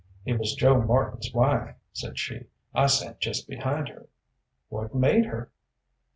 "It was Joe Martin's wife," said she. "I sat just behind her." "What made her?"